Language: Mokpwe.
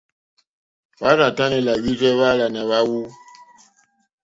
Hwá rzà tánɛ̀ làhwírzɛ́ hwáàlánà hwáwú.